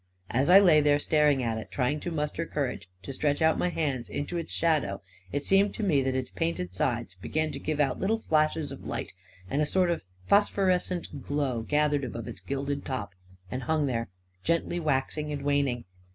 As I lay there staring at it, trying to muster cour age to stretch out my hand into its shadow, it seemed to me that its painted sides began to give out little flashes of light, and a sort of phosphorescent glow gathered above its gilded top, and hung there, gently waxing and waning.